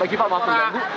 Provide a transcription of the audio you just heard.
bagi pak maaf mengganggu